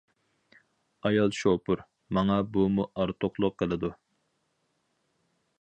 ئايال شوپۇر: ماڭا بۇمۇ ئارتۇقلۇق قىلىدۇ.